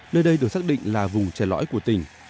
nơi đây được xác định là vùng trẻ lõi của tỉnh